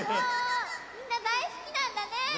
みんなだいすきなんだね！ね！